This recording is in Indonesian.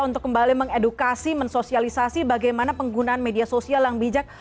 untuk kembali mengedukasi mensosialisasi bagaimana penggunaan media sosial yang bijak